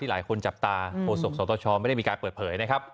หลายคนจับตาโฆษกสตชไม่ได้มีการเปิดเผยนะครับ